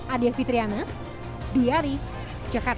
adia fitriana diari jakarta